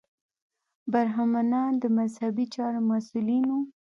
برهمنان د مذهبي چارو مسوولین وو.